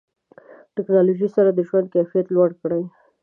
ټکنالوژي سره د ژوند کیفیت لوړ کړئ.